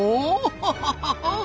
ハハハハ。